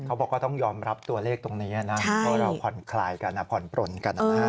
เขาบอกว่าต้องยอมรับตัวเลขตรงนี้นะเพราะเราผ่อนคลายกันผ่อนปลนกันนะฮะ